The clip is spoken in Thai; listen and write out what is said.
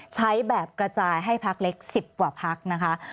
ใช้แบบกระจายให้พักเล็ก๑๐กว่าพักนะคะ